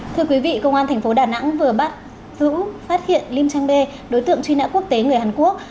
thưa quý vị công an tp đà nẵng vừa bắt giữ phát hiện lim trang bê đối tượng truy nã quốc tế người hàn quốc